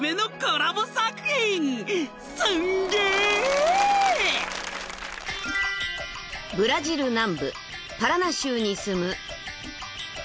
［ブラジル南部パラナ州に住む］